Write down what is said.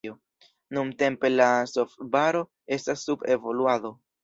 Nuntempe la softvaro estas sub evoluado.